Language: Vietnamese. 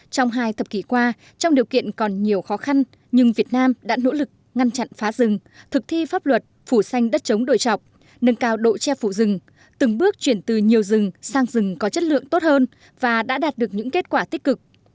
trong hai thập kỷ qua trong điều kiện còn nhiều khó khăn nhưng việt nam đã nỗ lực ngăn chặn phá rừng thực thi pháp luật phủ xanh đất chống đổi chọc nâng cao độ che phủ rừng từng bước chuyển từ nhiều rừng sang rừng có chất lượng tốt hơn và đã đạt được những kết quả tích cực